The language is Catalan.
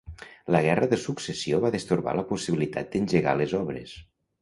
La Guerra de Successió va destorbar la possibilitat d'engegar les obres.